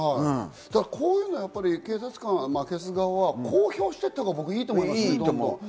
こういうのを警察官、警察側は公表していったほうがいいと思います。